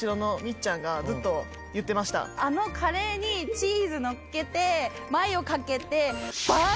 あのカレーにチーズのっけてマヨかけて。